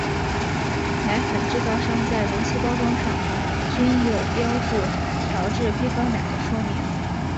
奶粉制造商在容器包装上均有标注调制配方奶的说明。